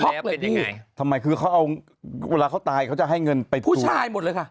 พี่ทำไมคือเขาเอาเวลาเขาตายเขาจะให้เงินไปผู้ชายหมดเลยค่ะ